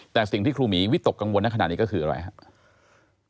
แต่สิ่งที่ครูหมีวิตกกังวลในขณะนี้ก็คืออะไรครับ